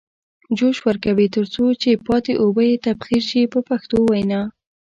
جوش ورکوي تر څو چې پاتې اوبه یې تبخیر شي په پښتو وینا.